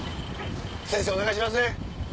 先生お願いしますね。